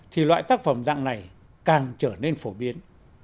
thì loại tác phẩm dạng này càng trở nên phổ biến